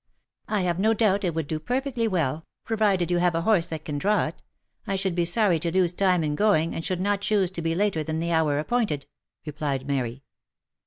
" I have no doubt it would do perfectly well, provided you have a horse that can draw it — I should be sorry to lose time in going, and should not choose to be later than the hour appointed," replied Mary.